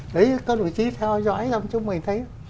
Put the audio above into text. đấy có đồng chí theo dõi lắm chúng mình thấy